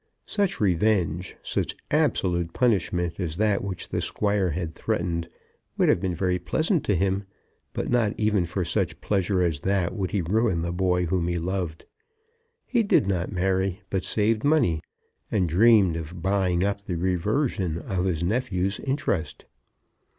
Such revenge, such absolute punishment as that which the Squire had threatened, would have been very pleasant to him; but not even for such pleasure as that would he ruin the boy whom he loved. He did not marry, but saved money, and dreamed of buying up the reversion of his nephew's interest.